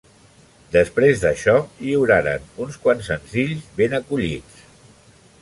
Després d'això, lliuraren uns quants senzills ben acollits.